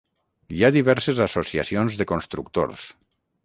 Hi ha diverses associacions de constructors.